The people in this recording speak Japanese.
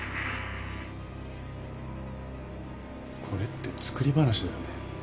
これって作り話だよね？